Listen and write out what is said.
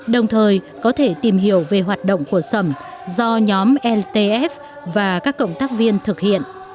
đồng thời có thể tìm hiểu về hoạt động của sẩm do nhóm etf và các cộng tác viên thực hiện